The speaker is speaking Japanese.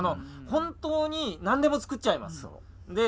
本当に何でも作っちゃいます。